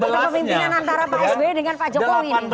kepemimpinan antara pak sby dengan pak jokowi